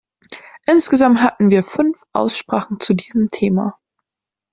Insgesamt hatten wir fünf Aussprachen zu diesem Thema.